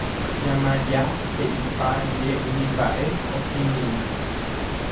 Ña Maria he'ipa rire umi mba'e okirirĩ